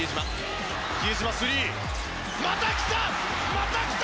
また来た！